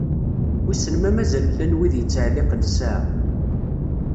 Wissen ma mazal llan wid yettɛelliqen ssaɛa?